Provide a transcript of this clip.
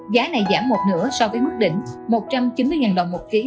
giá này giảm một nửa so với mức đỉnh một trăm chín mươi ngàn đồng một kg